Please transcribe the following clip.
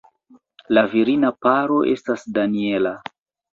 La virina paro estas Daniela.